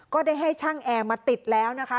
ก็ได้ให้ช่างแอร์มาติดแล้วนะคะ